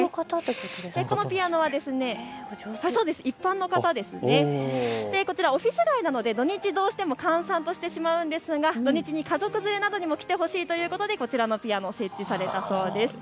このピアノはオフィス街なので土日、どうしても閑散としてしまうんですが土日に家族連れなどにも来てほしいということでこちらのピアノ、設置されたそうです。